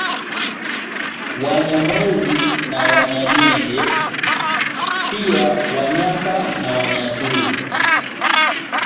Wanyamwezi na Wanyanyembe pia Wanyasa na Wanyaturu